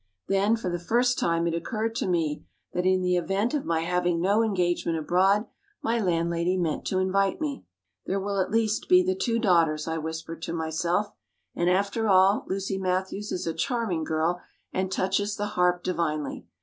Then, for the first time it occurred to me that, in the event of my having no engagement abroad, my landlady meant to invite me! "There will at least be the two daughters," I whispered to myself; "and after all, Lucy Matthews is a charming girl, and touches the harp divinely.